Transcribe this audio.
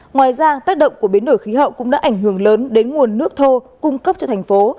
ngoài ra tác động của biến đổi khí hậu cũng đã ảnh hưởng lớn đến nguồn nước thô cung cấp cho thành phố